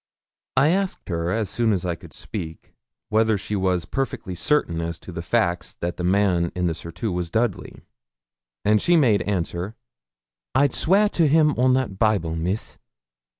I asked her, as soon as I could speak, whether she was perfectly certain as to the fact that the man in the surtout was Dudley, and she made answer 'I'd swear to him on that Bible, Miss.'